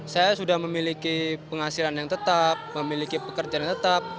saya sudah memiliki penghasilan yang tetap memiliki pekerjaan yang tetap